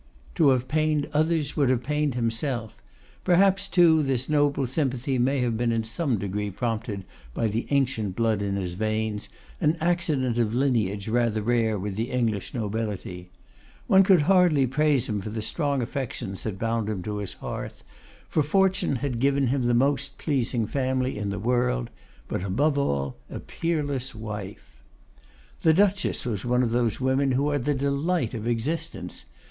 To have pained others would have pained himself. Perhaps, too, this noble sympathy may have been in some degree prompted by the ancient blood in his veins, an accident of lineage rather rare with the English nobility. One could hardly praise him for the strong affections that bound him to his hearth, for fortune had given him the most pleasing family in the world; but, above all, a peerless wife. The Duchess was one of those women who are the delight of existence.